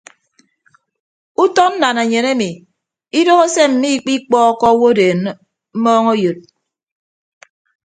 Utọ nnananyen emi idoho se mmikpikpọọkọ owodeen mmọọñ eyod.